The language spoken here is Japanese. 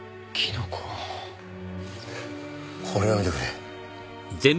これを見てくれ。